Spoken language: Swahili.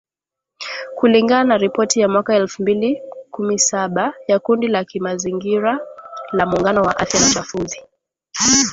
Kulingana na ripoti ya mwaka elfu mbili kumi Saba ya kundi la kimazingira la muungano wa afia na uchafuzi .